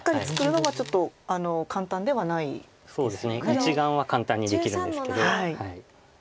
１眼は簡単にできるんですけど。